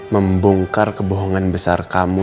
membongkar kebohongan besar kamu